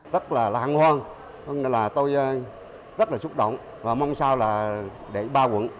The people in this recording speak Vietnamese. rất là làng hoang tôi rất là xúc động và mong sao là để ba quận